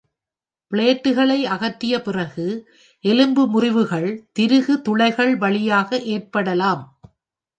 பிளேட்டுகளை அகற்றிய பிறகு, எலும்பு முறிவுகள் திருகு துளைகள் வழியாக ஏற்படலாம்.